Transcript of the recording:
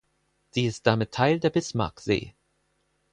Sie ist damit Teil der Bismarcksee.